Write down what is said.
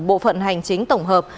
bộ phận hành chính tổng hợp